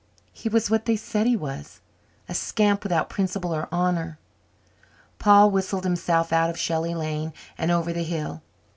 He was what they said he was, a scamp without principle or honour. Paul whistled himself out of the Shelley lane and over the hill.